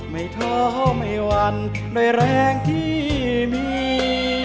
ไม่ท้อไม่วันโดยแรงที่มี